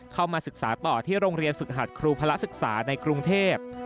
เข้ามาศึกษาต่อที่โรงเรียนฝึกหัดครูพระศึกษาในกรุงเทพ